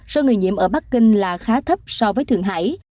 số người nhiễm ở bắc kinh là khá thấp so với thượng hải